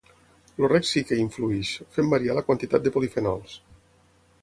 El reg sí que hi influeix, fent variar la quantitat de polifenols.